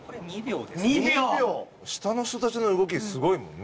下の人たちの動きすごいもんね。